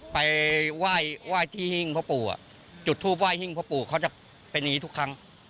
ไปไหว้ที่หิ้งพ่อปู่จุดทูปไห้หิ้งพ่อปู่เขาจะเป็นอย่างนี้ทุกครั้ง